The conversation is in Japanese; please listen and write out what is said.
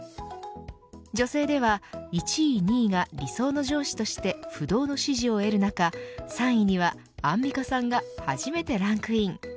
女性では１位２位が理想の上司として不動の支持を得る中３位にはアンミカさんが初めてランクイン。